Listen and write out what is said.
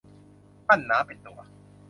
ปั้นน้ำเป็นตัว